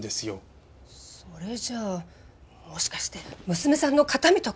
それじゃあもしかして娘さんの形見とか？